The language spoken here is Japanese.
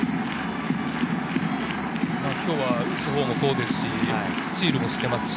今日は打つほうもそうですし、スチールもしていますし。